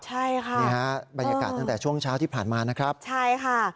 ใช่ค่ะนี่ฮะบรรยากาศตั้งแต่ช่วงเช้าที่ผ่านมานะครับใช่ค่ะ